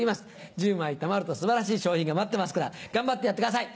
１０枚たまると素晴らしい賞品が待ってますから頑張ってやってください！